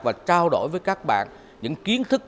và trao đổi với các bạn những kiến thức